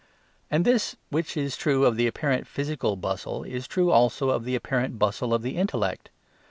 And this which is true of the apparent physical bustle is true also of the apparent bustle of the intellect.